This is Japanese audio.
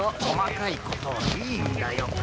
こまかいことはいいんだよ！